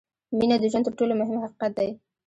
• مینه د ژوند تر ټولو مهم حقیقت دی.